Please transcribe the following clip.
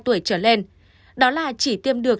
trở lên đó là chỉ tiêm được